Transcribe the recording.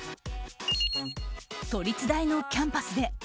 都立大のキャンパスで。